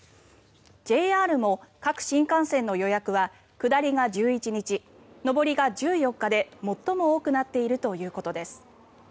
ＪＲも各新幹線の予約は下りが１１日上りが１４日で、最も多くなっているということです。